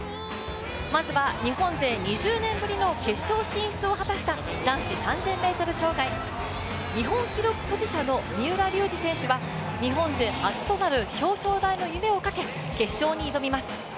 まずは日本勢２０年ぶりの決勝進出を果たした男子３０００ｍ障害、日本記録保持者の三浦龍司選手は日本勢初となる表彰台の夢をかけ、決勝に挑みます。